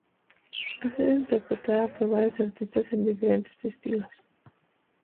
Ha sido interpretada por varios artistas en diferentes estilos.